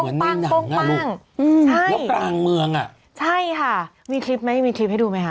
ป้องปังอืมใช่มีคลิปไหมมีคลิปให้ดูไหมคะ